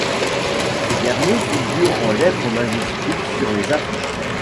Ce dernier figure en lettres majuscules sur les affiches.